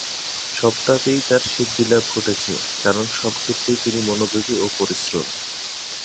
সবটাতেই তাঁর সিদ্ধিলাভ ঘটেছে, কারণ সব ক্ষেত্রেই তিনি মনোযোগী ও পরিশ্রমী।